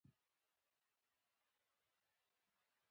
د ازادۍ ورځ بايد په خوښۍ تېره شي.